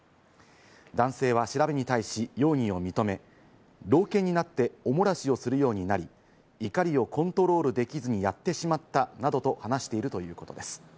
男性は調べに対し容疑を認め、老犬になって、お漏らしをするようになり、怒りをコントロールできずにやってしまったなどと話しているということです。